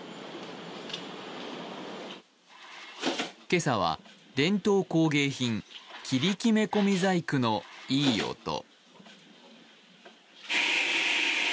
今朝は伝統工芸品桐木目込み細工のいい音。